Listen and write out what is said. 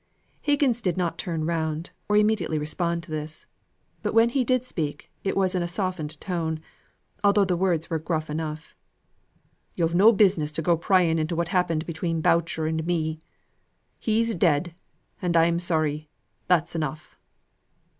Higgins did not turn round, or immediately respond to this. But when he did speak, it was in a softened tone, although the words were gruff enough. "Yo've no business to go prying into what happened between Boucher and me. He's dead, and I'm sorry. That's enough."